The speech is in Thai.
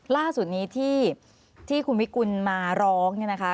ล่าสุดนี้ที่คุณวิกุลมาร้องเนี่ยนะคะ